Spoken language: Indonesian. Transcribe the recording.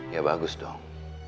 ya bagus dong